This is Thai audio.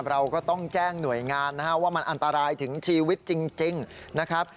เราก็ต้องแจ้งหน่วยงานนะครับว่ามันอันตรายถึงชีวิตจริงนะครับ